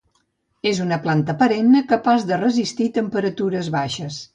És una planta perenne, capaç de resistir temperatures baixes.